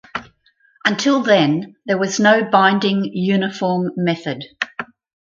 Until then there was no binding uniform method.